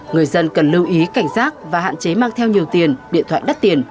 người dân cần lưu ý cảnh giác và hạn chế mang theo nhiều tiền điện thoại đắt tiền